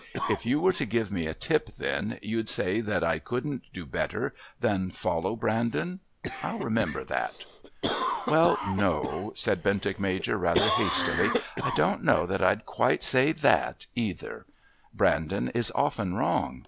If you were to give me a tip then, you'd say that I couldn't do better than follow Brandon. I'll remember that." "Well, no," said Bentinck Major rather hastily. "I don't know that I'd quite say that either. Brandon is often wrong.